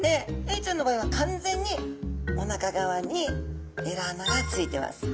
エイちゃんの場合は完全におなか側にエラ穴がついてます。